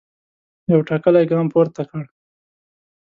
یو ټاکلی ګام پورته کړ.